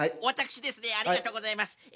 わたくしですねありがとうございます。